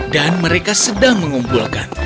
dan mereka sedang mengumpulkan